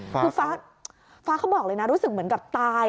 คือฟ้าเขาบอกเลยนะรู้สึกเหมือนกับตาย